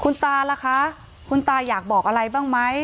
คุณตาล่ะคะคุณตาอยากบอกอะไรบ้างไหม